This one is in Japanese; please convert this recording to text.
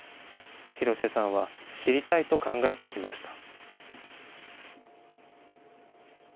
廣瀬さんは知りたいと考えてきました。